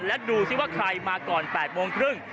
และดูสิว่าใครมาก่อน๘โมงครึ่ง